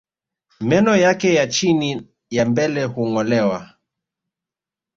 Meno yake ya chini ya mbele hungolewa